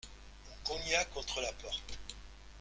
On cogna contre la porte.